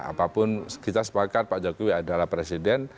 apapun kita sepakat pak jokowi adalah presiden